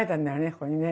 ここにね。